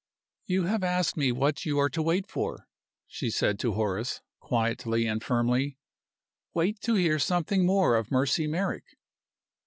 "You have asked me what you are to wait for," she said to Horace, quietly and firmly. "Wait to hear something more of Mercy Merrick."